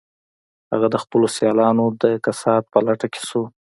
هغه د خپلو سیالانو د کسات په لټه کې شو